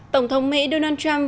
tổng thống mỹ donald trump